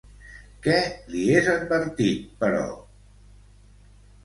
Què li és advertit, però?